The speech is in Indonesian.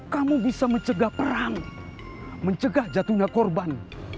kamu bisa mencegah perang mencegah jatuhnya korban